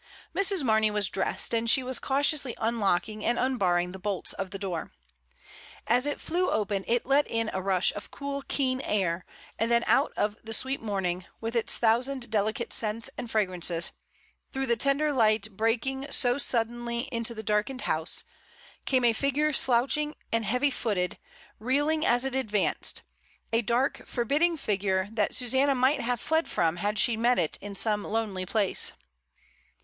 Mrs. Marney was dressed, and she was cautiously un locking and unbarring the bolts of the door. As it flew open it let in a rush of cool keen air, and then out of the sweet morning, with its thousand delicate scents and fragrances, through the tender light breaking so suddenly into the darkened house, came a figure slouching and heavy footed, reeling as it advanced — a dark, forbidding figure that Susanna might have fled from had she met it in some lonely place.